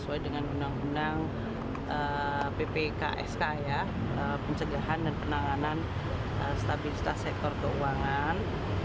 untuk memperbaiki termasuk dari sisi perundangan